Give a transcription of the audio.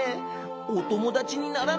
おともだちにならない？